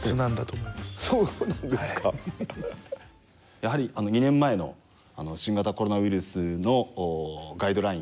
やはり２年前の新型コロナウイルスのガイドライン